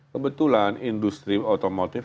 kebetulan industri otomotif